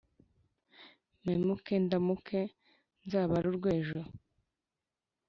mpemuke ndamuke nzabare urw' ejo ,